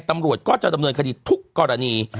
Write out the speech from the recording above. ตำรวจก็จะดำเนินคดีทุกกรณี